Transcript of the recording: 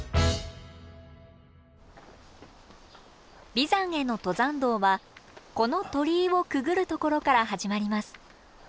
眉山への登山道はこの鳥居をくぐるところから始まります。